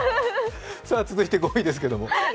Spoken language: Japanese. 続いて５位ですけれども。